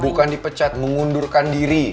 bukan dipecat mengundurkan diri